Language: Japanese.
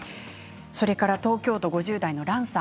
それから東京都５０代の方。